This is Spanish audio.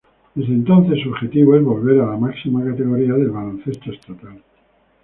Desde entonces su objetivo es volver a la máxima categoría del baloncesto estatal.